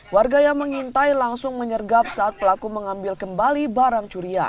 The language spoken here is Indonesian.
warga yang mengintai langsung menyergap saat pelaku mengambil kembali barang curian